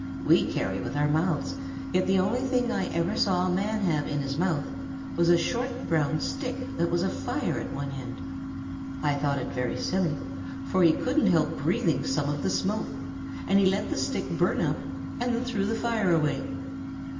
We carry with our mouths, yet the only thing I ever saw a man have in his mouth was a short brown stick that was afire at one end. I thought it very silly, for he couldn't help breathing some of the smoke, and he let the stick burn up and then threw the fire away.